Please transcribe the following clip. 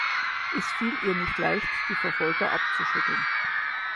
Es fiel ihr nicht leicht, die Verfolger abzuschütteln.